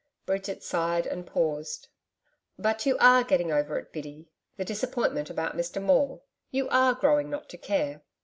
Bridget sighed and paused. 'But you ARE getting over it, Biddy the disappointment about Mr Maule? You ARE growing not to care?'